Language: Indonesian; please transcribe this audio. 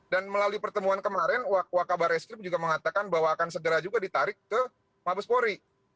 dan melalui pertemuan kemarin wakabare scream juga mengatakan bahwa akan segera juga ditarik ke mabes polri